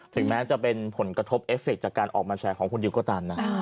ถึงแม้จะเป็นผลกระทบเอฟเฟคจากการออกมาแฉของคุณดิวก็ตามนะ